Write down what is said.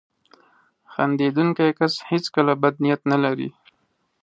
• خندېدونکی کس هیڅکله بد نیت نه لري.